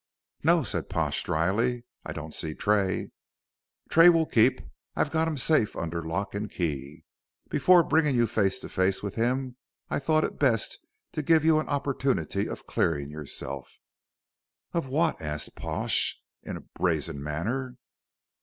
"No," said Pash, dryly; "I don't see Tray." "Tray will keep. I've got him safe under lock and key. Before bringing you face to face with him I thought it best to give you an opportunity of clearing yourself." "Of what?" asked Pash, in a brazen manner.